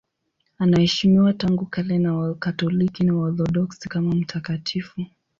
Anaheshimiwa tangu kale na Wakatoliki na Waorthodoksi kama mtakatifu.